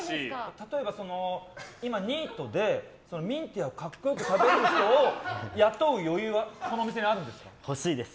例えば、今ミンティアを格好よく食べる人を雇う余裕はお店にあるんですか？